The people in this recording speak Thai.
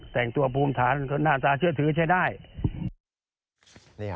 แต่งตัวภูมิฐานหน้าตาเชื่อถือใช้ได้